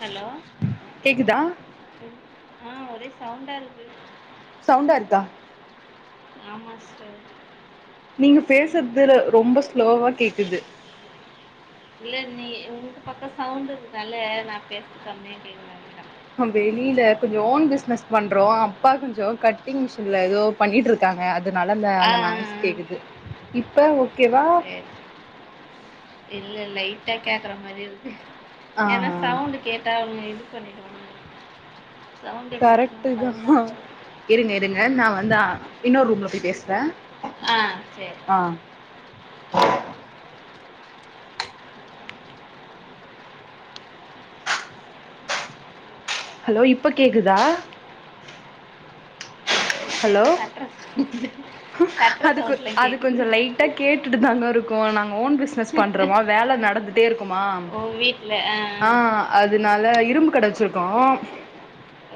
Hello கேக்குதா ஆ ஒரே சவுண்டா இருக்கு சவுண்டா இருக்கா ஆமா சிஸ்டர் நீங்க பேசற்து ரொம்ப ஸ்லோவா கேக்குது இல்ல நீ உங்க பக்கோ சவுண்ட் இருகனல்ல நா பேச கம்மியா கேக்குது அதுதான் வெளில கொஞ்சோ ஓன் பிஸ்னஸ் பண்றோ அப்பா கொஞ்சோ கட்டிங் மிஷின்ல எதோ பண்ணிட்டு இருக்காங்க அதனால அந்த ஆ அந்த ஆ நாய்ஸ் கேக்குது இப்ப ஓகேவா ஆ சரி இல்ல லைட்டா கேக்கற மாரி இருக்கு ஆ ஏன்னா சவுண்ட் கே ட்டா அவுங்க இது பண்ணிடுவாங்க சவுண்ட கரெக்ட்டு தா [inaudible] இருங்க இருங்க நா வந்து ஆ இன்னோர் ரூம்ல போய் பேஸ்ற. ஆ சேர் அ ஹலோ இப்ப கேக்குதா இப்ப ஹலோ எதோ தட்டுற சவுண்டு தட்டுற அதுக்கு சவுண்ட்லாம் அது கேக்குது கொஞ்சோ லைட் டா கேட்டுட்டு தாங்க இருக்கோ நாங்க ஓன் பிஸ் னஸ் பண்றோமா வேல நடந்துட்டே இருக்குமா ஆ அதுனால இரும்பு கட வச்ருகோ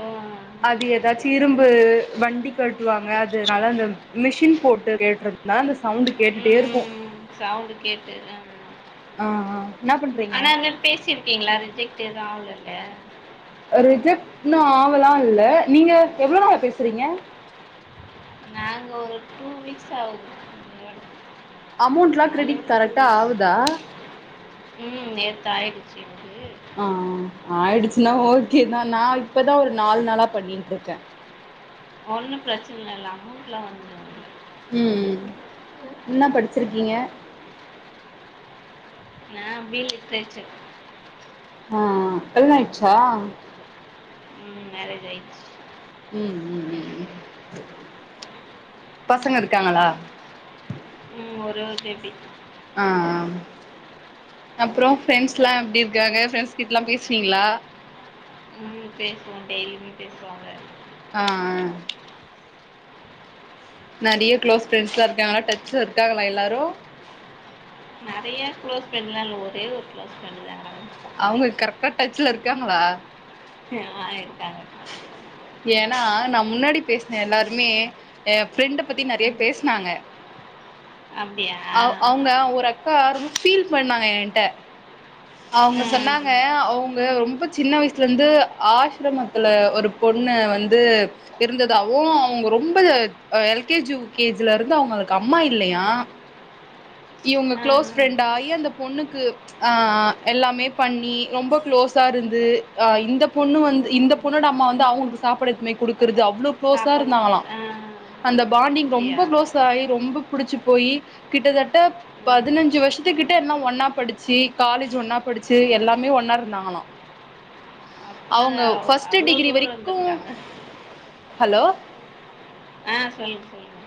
ஓ ம் அது எதாச்சு இரும்பு வண்டி கட்டுவாங்க அதுனால அந்த மிஷின் போட்டு கேட்டத்னால சவுண்டு கேட்டுட்டே இருக்கு ம் ம் சவுண்டு கேட்டுதா ஆ ஆ என்ன பண்றீங்க ஆனா அதுமாரி பேசிருக்கீங்ளா ரிஜெக்ட் எது ஆவுலல்ல ரிஜெக்ட்ன்னு ஆவலா இல்ல நீங்க எவ்ளோ நாளா பேசுறீங்க நாங்க ஒரு டூ வீக்ஸ் ஆவுது அமௌண்ட்லா கிரிடிட் கரெக்டா வீக்ஸ் ஆவுதா ம் நேத்து ஆயிடுச்சு ஆ ஆயிடுச்சுன்னா ஓகேதா நா இப்பதா ஒரு நாலு நாளா பண்ணிட்டு இருக்கே ஒன்னும் பிரச்சன இல்ல அமௌண்ட்லா வந்து ம் என்ன படிச்சிருக்கீங்க ஆ பி ஏ லிட்ரேச்சர் ஆ கல்யாண ஆய்ச்சா ம் மேரேஜ் ஆய்ச் ம் ம் ம் பசங்க இருக்காங்களா ம் ஒரே ஒரு பேபி ஆ ஆ அப்றோ ஃப்ரெண்ஸ்லா எப்டி இருக்காங்க ஃப்ரெண்ஸ் கிட்லா பேஸ்வீங்லா ம் பேசுவோ டெய்லியு பேசுவாங்க ஆ ஆ நறைய க்ளோஸ் ஃப்ரெண்ட்ஸ்லா இருக்காங்களா டச்ல இருக்காங்களா எல்லாரு நறைய க்ளோஸ் ஃப்ரெண்டுலா இல்ல ஒரே ஒரு க்ளோஸ் ஃப்ரெண்டு தா அவுங்க கரெக்டா டச்ல இருக்காங்ளா ம் இருக்காங்க ஏனா நா முன்னாடி பேஸ்ன எல்லாருமே ஏ ஃப்ரெண்ட பத்தி நெறைய பேஸ்னாங்க அப்டியா அவ் அவுங்க ஒரு அக் கா ரொம்ப பீல் பண்ணாங்க ஏன்ட்ட அவுங்க சொன்னாங்க ஆ அவுங் க ரொம்ப சின்ன வயசுலருந்து ஆஸ்ரமத்துல ஒரு பொண்ண வந்து இருந்ததாவு அவுங்க ரொம்ப ஆ L K G U K ஜிலருந்து அவுங்களுக்கு அம்மா இல்லயா இவுங்க ஆ க்ளோஸ் ஃப்ரெண்ட் ஆயி அந்த பொண்ணுக்கு ஆ எல்லாமே பண்ணி ரொம்ப க்ளோஸாருந்து ஆ இந்த பொண்ணு வந்து இந்த ஆ. பொன்னோட அம்மா வந்து அவுங்களுக்கு சாப்பாட எடுத்துனு போய் குடுக்குறது அவ்ளோ க்ளோஸா சாப்பாடு இருந்தாங்களா போட்டு ஆ அந்த பாண்டிங் அப்படியா ரொம்ப க்ளோஸாயி ரொம்ப புடிச்சு போயி கிட்டதட்ட ம் பதினஞ்சு வருஷ்த்துக்கிட்ட எல்லா ஒன்னா படிச்சி காலேஜ் ஒன்னா படிச்சு எல்லாமே ஒன்னாருந்தாங்களா அப்போ அவுங்க பஸ்ட் அவ்வளோ டிகிரி தூரம் வரைக்கு வந்துருக்காங்க ஹலோ ஆ சொல்லு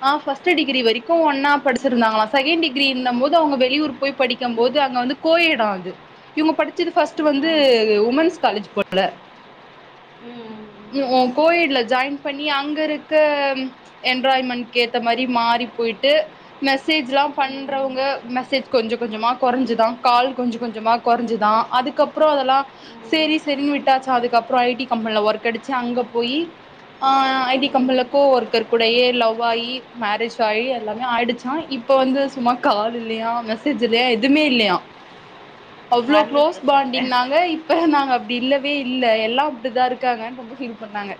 ஆ ஃபஸ்ட்டு டிகிரி வரிக்கு ஒன்னா படுச்சுருந்தாங்களா செகண் டிகிரின்னமோது அவுங்க வெளியூர் போய் படிக்கம் போது அங்க வந்து கோயடா அது, இவுங்க படிச்சது ஃபஸ்ட்டு ஆ வந்து ம் உமன்ஸ் காலேஜ் போல ம் ம் இ ஓ கோயட்ல ஜாய்ன் பண்ணி அங்க இருக்க என்விராய்மண்ட்க்கு ஏத்த மாரி மாரி போய்ட்டு மெசேஜ்ல்லா ம் பண்றவங்க மெசேஜ் கொஞ்ச கொஞ்சமா கொறஞ்சுதா கால் கொஞ்ச கொஞ்சமா கொறஞ்சுதா அதுக்கப்பறோ அதல்லா ம் சேரி செரின் விட்டாச்சா அதுக்கப்பறோ ஐ டி கம்பனில ஒர்க் அடுச்சு அங்க போயி ஆ ஐ டி ம் கம்பன்ல கோ ஒர்க்கர் கூடயே லவ் ஆயி மேரேஜ் ஆயி எல்லாமே ஆய்டுச்சா இப் இப்ப வந்து சும்மா கால் இல்லயா மெசேஜ் இல்லயா எதுமே இல்லயா அவ்ளோ க்ளோஸ் மறந்துட்டுருக்காங்க பாண்டிங் நாங்க இப்ப நாங்க அப்டி இல்லவே இல்ல எல்லா அப்டிதா இருக்காங்கன் ரொம்ப ஃபீல் பண்ணாங்க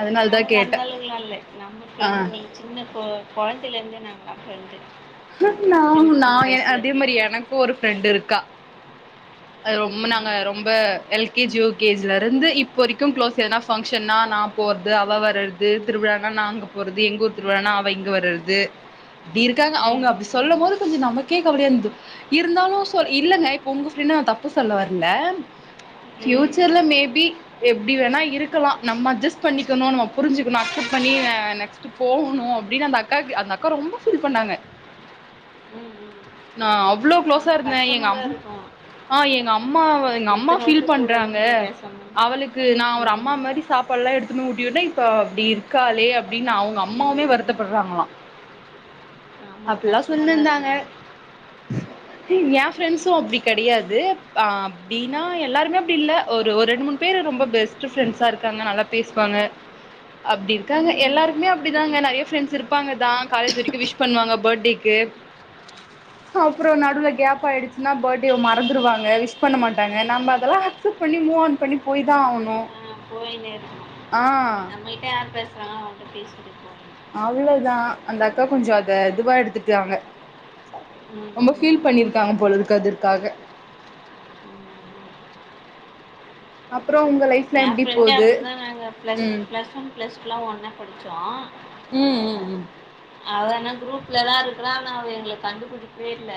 அதனால தா நமக்கு அந்த கேட்டே அளவுக்கலா இல்ல நமக்கு ஆ இருந்து நீ சின்ன கொ கொழந்தைல இருந்தே நாங்க அப்ப இருந்து நா நா எ அதே மாரி எனக்கு ஒரு ஃப்ரெண்டு் இருக்கா அது ம் ரொம்ப நாங்க ரொம்ப L K G U K ஜில்ல இருந்து இப்போ வரைக்கு க்ளோஸ் எதனா ஃபங்சன்னா நா போர்து அவ வர்ரது திருவிழானா நா அங்க போறது எங்க ம் ஊர் திருவிழானா அவ இங்க வர்ரது அப்டி இருக்காங்க அவுங்க ம் அப்டி சொல்லம்மோது கொஞ்சோ நமக்கே கவலயா இருந்தது இருந்தாலு சொ இல்லங்க இப்ப ஒங்க அப்டினா தப்பு சொல்ல வர்ல ம் ஃபியூச்சர்ல மேபி எப்டி வேணா இருக்கலா நம்ம அட்ஜஸ் பண்ணிக்கணு நம்ம புருஞ்சுக்கணு அக்செப்ட் பண்ணி ஆ நெக்ஸ் டு போஹனு அப்டினு அந்தக்காக்கு அந்த அக்கா ரொம்ப ஃபீல் பண்ணாங்க ம் ம் நா அவ்ளோ க்ளோஸா ரொம்ப இருந்தே எங்க கஷ்டமாக அம் தான் இருக்கும் மா எங்க அம்மாவ எங்க அம்மா இத்தனை ஃபீல் வருஷம் கூட பண்றாங்க இருந்துட்டு பேசாமல் அவளுக்கு நா ஒரு அம்மா ம் மாரி சாப்பாடல்லா எடுத்துனு ஊட்டிவுட்டே இப்ப அப்டி இருக்காளே அப்டின்னு அவுங்க அம்மாவுமே ம், வருத்தப்பர்றாங்களா ஆமா அப்பில்லா கஷ்டமா தான் சொல்னுருந்தாங்க இருக்கும். ஏ ஃப்ரண்சு அப்டி கெடையாது அப்டீன்னா எல்லாருமே அப்டி இல்ல ஒரு ஒரு ரெண்டு மூணு பேரு ரொம்ப பெஸ்ட்டு ஃப்ரன்ஸ்சா இருக்காங்க நல்லா பேசுவாங்க அப்டி இருக்காங்க ம். எல்லாருக்குமே அப்டிதாங்க நெறைய ஃப்ரண்ட்ஸ் இருப்பாங்க தா காலேஜு வரைக்கு விஷ் பண்ணுவாங்க பட்டேக்கு அப்பறோ நடூல கேப் ஆய்டுச்சுனா பர்ட் டேவ மறந்துருவாங்க விஷ் பண்ண மாட்டாங்க நம்ம அதல்லா அக்சப்ட் பண்ணி மூவ் ஆன் பண்ணி போய் தா ஆகணு ஆ போயின்னே இருக்கணு நம்மகிட்ட யார் பேசுறாங்களோ அவுங்ககிட்ட பேச அவ்ளோதா அந்த அக்கா கொஞ்சொ அத இதுவா எடுத்துட்டாங்க ம், ரொம்ப ம், ஃபீல் பண்ணிருக்காங்க போலருக்கு அதுற்க்காக ம். அப்பறோ ஒங்க லைஃப் ஏ ஃப்ரெண்டே அப்டி தா நாங்க ப்ளஸ் ப்ளஸ் ஒன் ப்ளஸ் டூலா ஒன்னா படுச்சோ ம் ம் ம் அவளனா குரூப்லேல்லா இருக்குறா ஆனா அவ எங்கள கண்டுபுடிக்கவே இல்ல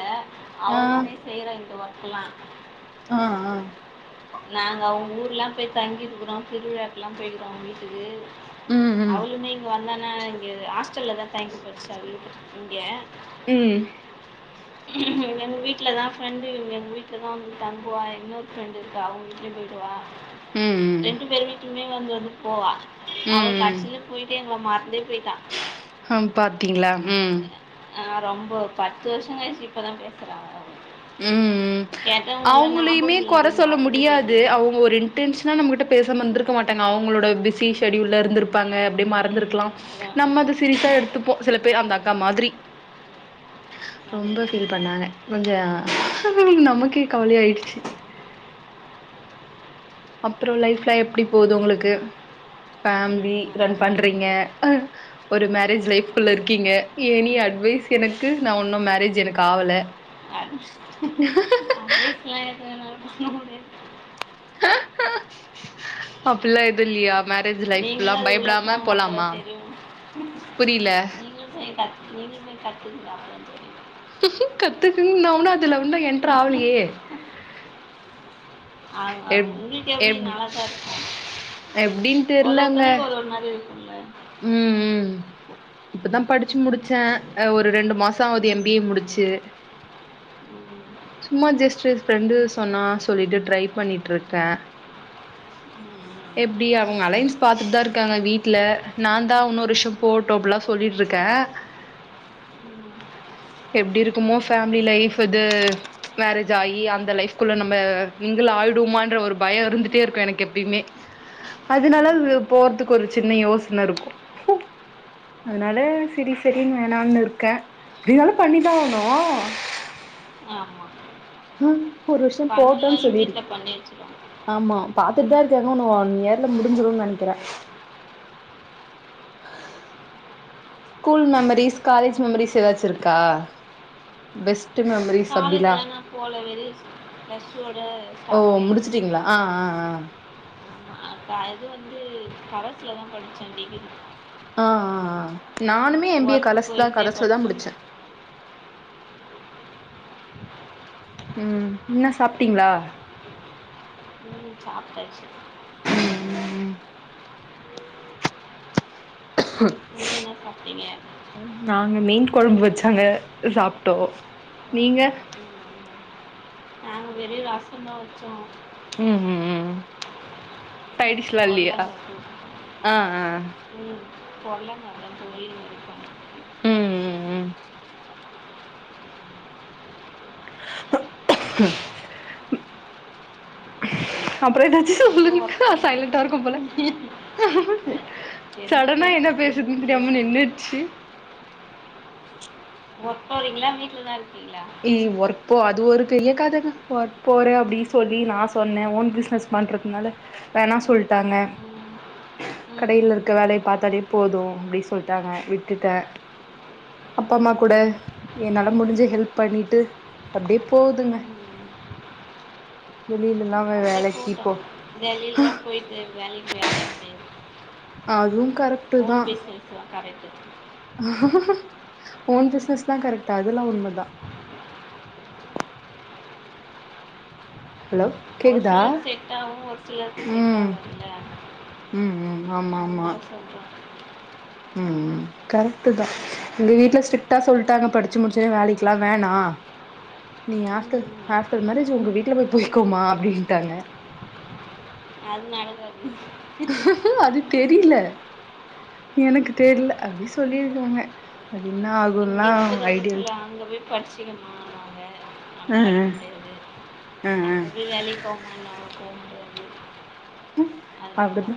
ஆ அவளுமே செய்யறா இந்த ஒர்க்கலா ஆ ஆ நாங்க அவுங்க ஊர்லா போய் தங்கிருக்குறோ திருவிழாக்கெல்லா போயிருக்கோ அவுங்க வீட்டுக்கு ம் ம் ம் அவளுமே இங்க வந்தனா இங்க ஹாஸ்டல்ல தா தங்கி படுச்சா வீட் இங்க ம் எங்க வீட்டில தா ஃப்ரெண்டு எங்க வீட்டில தா வந்து தங்குவா இன்னொரு ஃப்ரெண்டு க அவங்க வீட்டுலயு போயிடுவா ம் ம் ரெண்டு பேரு வீட்லயுமே வந்து வந்து போவா அவ கடசியில போயிட்டு எங்கள மறந்தே போயிட்டா ஹம் பாத்தீங்களா ம் ஆ ரொம்ப பத்து வருஷ கழிச்சு இப்பதா பேசுறா அவ ம் ம் அவுங்களையுமே ஞாபகம் கொற இல்லடி சொல்ல முடியாது மறந்துட்டடி அவுங் ஒரு இன்டென்ஷனா நம்மகிட்ட பேசாமிருந்துருக்க மாட்டாங்க அவங்களோட பிஸி ஷெடியூல இருந்து ப்பாங்க அப்டியே ம் மறந்துருக்கலா அதான் நம்ம அத சீரியஸ்ஸ எடுத்துப்போ சில பேர் அந்த அக்கா மாதிரி ரொம்ப அதேதான் ஃபீல் பண்ணாங்க கொஞ்சோ நமக்கே கவல ஆயிடுச்சு அப்புறோ லைஃப்ல்லா எப்டி போது உங்களுக்கு ம் ஃபேமிலி நல்லா ரன் போயிட்டு பண்றீங்க இருக்கு ஒரு மேரேஜ் லைஃப்குள்ள இருக்கீங்க எனி அட்வைஸ் எனக்கு நா உன்னு மேரேஜ் எனக்கு ஆவல அப்டியே சில [unintelligible] அப்டில்லா எது இல்லயா மேரேஜ் லைஃப்ல்லா நீங்களும் அது உள்ளே பயப்படாம போங்க அப்போ போலாமா தான் புரியல செரிக்கா நீங்களுமே கத்துகிட்டாப்புல கத்துக்குன்னு நா உன்னு அதுல உன்னு என்டர் ஆவலயே ஆவுங் எப் ஆவுங் உங்களுக்கு எப்டி எப் நல்லதா இருக்கா எப்டின்னு ஒரு ஒரு தெர்லங்க தொங்களுக்கு ஒருயொரு மாறி இருக்குல்ல ம் ம் இப்பதா படிச்சு முடிச்சே அ ஒரு ரெண்டு மாச ஆவுது எம் ம் பி ஏ முடிச்சு ம் ம் சும்மா ஜஸ்ட் ஜஸ்ட் ஃப்ரெண்டு சொன்னா சொல்லிட்டு ட்ரை பண்ணிட்டு இருக்கே ம் எப்டி அவங்க அலையன்ஸ் பாத்துட்டு தா இருக்காங்க வீட்டுல நா தா உன்னு ஒரு வருஷோ போட் டோ அப்பல்லா சொல்லிட்டு இருக்கே எப்டி இருக்குமோ ஃபேமிலி லைஃப் இது மேரேஜ் ஆகி அந்த லைஃப்குள்ள நம்ம மிங்கில் ஆயிடுவமான்ற ஒரு பயோ இருந்துட்டே இருக்கு எனக்கு எப்பயுமே அதனால அது ம் போறதுக்கு ஒரு சின்ன யோசன இருக்கு அதனால செரி செரின்னு வேணானு இருக்கே எப்டின்னாலு பண்ணிதா ஆகணு ஆமா ஆ ஒரு வருசோ போட்டோனு பன்னெண்டுலையும் சொல்லிருக்க வீட்டில் பண்ணி வச்சுருவாங்க ஆமா பாத்துட்டு தா இருக்காங்க உன்னு ஒன் இயர்ல முடிஞ்சிருன்னு நெனைக்கற ஸ்கூல் மெமரிஸ் காலேஜ் மெமரிஸ் ஏதாச்சு இருக்கா பெஸ்ட் மெமரிஸ் அப்டிலா காலேஜ்லா நா போல வெறு பிளஸ் டு வோட ஓ முடிச்சுட்டீங்களா ஆ ஆ ஆமாம் க அது வந்து கரஸ்ல தா படிச்சே டிகிரி ஆ ஆ ஆ நானுமே எம் பி ஏ ஒர்க்கு கலஸ் தா போயிட்டே கரஸ்ல தா படித்தோம் முடிச்சே ம் என்ன சாப்பிட்டீங்களா ம் சாப்டச் ம் ம் ம் ம் நீங்க என்ன சாப்பிட்டீங்க நாங்க மீன் கொழம்பு வச்சங்க சாப்பிட்டோ நீங்க நாங்க வெறு ரசசோ தா வச்சோ ம் ம் ம் ம் சைடு டிஷ்ல்லா இல்லயா உருளைங்க ஆ ஆ ஆ ம் கொல்ல நடக்குது இல்ல ம் ம் ம் அப்றோ என்ன ஆச்சு நல்லா ஒர்க் சொல்லுங்கா பண்ணணும் சைலெண்டா இருக்கோ போல என்ன சடனா என்ன பேசுறதுன்னு பேசதுன்னு தெரியாம யோசிக்கணும் நின்னுச்சு ஒர்க் போறிங்களா வீட்டில தா இருக்கீங்களா ம் ஒர்க்போ அது ஒரு பெரிய கதங்க ஒர்க் போற அப்டி சொல்லி நா சொன்னே ஓன் பிஸ்னஸ் பண்றதுனால ஓன் பிசினஸ் பண்றதுனால வேணா சொல்ட்டாங்க ம் ம் ம் கடைல இருக்க ம், வேலைய பாத்தாலே போது அப்டி சொல்லிட்டாங்க விட்டுட்டே அப்பா அம்மா கூட என்னால முடிஞ்ச ஹெல்ப் பண்ணிட்டு அப்டியே போகுதுங்க ம். வெளிலல்லா வேற வேலைக்கு போ வெளிலல்லா போயிட்டு வேலைக்கு போய் அலைய முடியாது அதுவு கரெக் ஓன் பிசினஸ் தா கரெட்டு ஓன் பிஸ்னஸ் தா கரெக்டு அதெல்லா உண்மதா ஹலோ ஒரு கேக்குதா சிலருக்கு செட் ஆவு ஒரு சிலருக்கு செட் ம் ஆவாதுல ம் ம் ஆமா ஆமா சொல்கிறோம் ம் ம் கரெக்ட் தா எங்க வீட்ல ஸ்ட்ரிடா சொல்டாங்க படிச்சு முடிச்சோனே வேலைக்கலா வேணா நீ ம் ஆஃப்டர் ம் ஆஃப்டர் மேரேஜ் உங்க வீட்ல போய் போய்கோமா அப்டின்டாங்க அது நடக்காது அது தெரில எனக்கு தெர்ல அப்டி சொல்லிர்க்காங்க அது என்னாகு இங்கே இப்போதோ ஒன்னு சொல்ல அங்க போய் படிச்சுக்கமானாங்க அ அ அ அ அங்கே வேலைக்கு போமா நா ஓன் பிஸ்னஸ் ம் அப்டிதா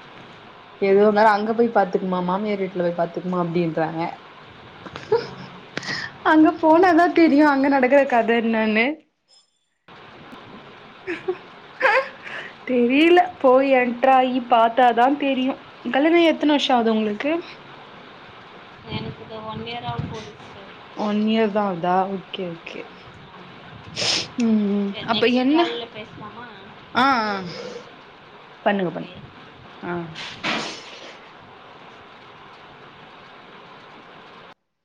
எதுதுவான்தாலு அங்க போய் பாத்துக்குமா மாமியார் வீட்ல போய் பாத்துக்குமா அப்டின்றாங்க ஆமாம். அங்க போனாதா தெரியு அங்க நடக்கற கத என்னன்னு தெரில போய் என்ட்ராயி பாத்தாதா தெரியும் கல்யாண ஆகி எத்தன வருஷ ஆகுது உங்ளுக்கு இப்ப ஒன் இயர் ஆக போது ஒன் இயர் தா ஆகுதா ஓகே ஓகே ம் கே அப்ப நெக்ஸ்ட் என்ன கால்ல பேசலாமா ஆ ஆ பண்ணுங்க பண்ணு ஓகே ஆ